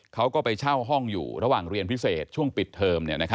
เขาก็ไปเช่าห้องอยู่ระหว่างเรียนพิเศษช่วงปิดเทอม